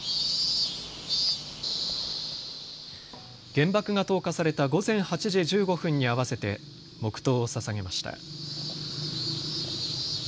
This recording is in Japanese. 原爆が投下された午前８時１５分に合わせて黙とうをささげました。